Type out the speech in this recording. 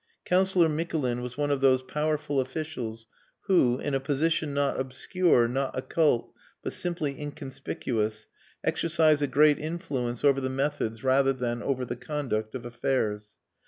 Councillor Mikulin was one of those powerful officials who, in a position not obscure, not occult, but simply inconspicuous, exercise a great influence over the methods rather than over the conduct of affairs.